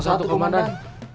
siap satu komandan